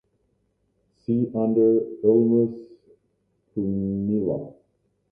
See under "Ulmus pumila".